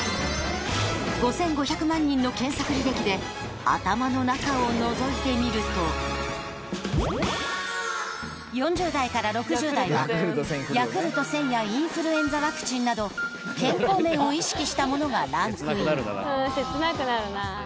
５５００万人の検索履歴で頭の中をのぞいてみると４０代から６０代はヤクルト１０００やインフルエンザワクチンなど健康面を意識したものがランクイン切なくなるな。